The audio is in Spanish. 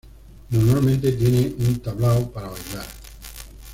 Normalmente tienen un "tablao" para bailar.